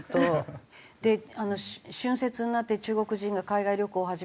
で春節になって中国人が海外旅行を始めたという。